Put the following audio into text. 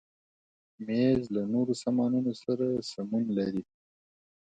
مېز له نورو سامانونو سره سمون لري.